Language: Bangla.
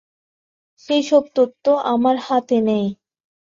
সেইসব তথ্য আমার হ্রাতে নেই।